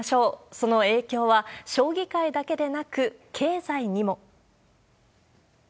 その影響は将棋界だけでなく、経済にも。